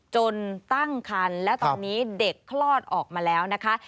จนตั้งคันและตอนนี้เด็กคลอดออกมาแล้วนะคะ